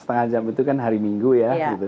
setengah jam itu kan hari minggu ya